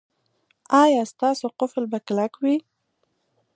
ایا ستاسو قفل به کلک وي؟